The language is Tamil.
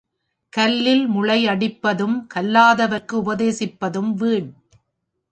கல்லில் முளை அடிப்பதும் கல்லாதவருக்கு உபதேசிப்பதும் வீண்.